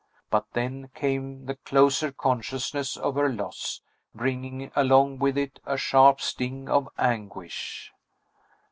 But then came the closer consciousness of her loss, bringing along with it a sharp sting of anguish.